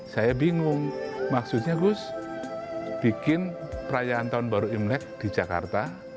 saya bingung maksudnya gus bikin perayaan tahun baru imlek di jakarta